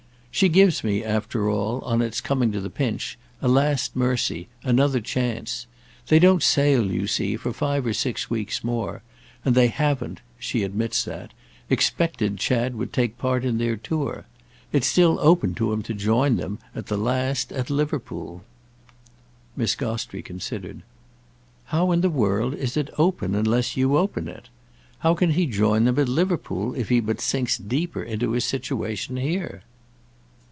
"She gives me after all, on its coming to the pinch, a last mercy, another chance. They don't sail, you see, for five or six weeks more, and they haven't—she admits that—expected Chad would take part in their tour. It's still open to him to join them, at the last, at Liverpool." Miss Gostrey considered. "How in the world is it 'open' unless you open it? How can he join them at Liverpool if he but sinks deeper into his situation here?"